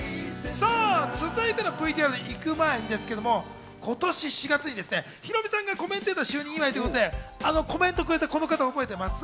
続いてのＶＴＲに行く前に、今年４月にヒロミさんがコメンテータ就任祝いということで、あのコメントをくれたこの方、覚えてます？